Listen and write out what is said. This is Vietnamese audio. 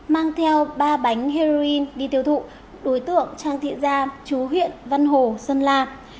mang theo ba bánh heroin đi tiêu thụ đối tượng trang thị gia chú huyện vân hồ sơn la